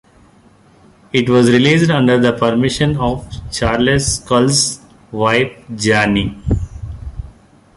It was released under the permission of Charles Schulz's wife Jeannie.